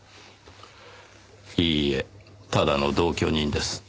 いいえただの同居人です。